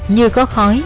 như có khói